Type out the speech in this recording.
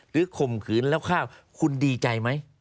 ข่มขืนแล้วฆ่าคุณดีใจไหม